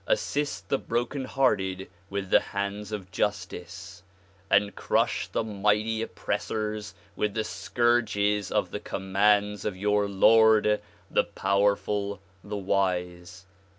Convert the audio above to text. assist the broken hearted with the liands of justice and crush the mighty oppressors with the scourges of the commands of your Lord, the powerful, the wise."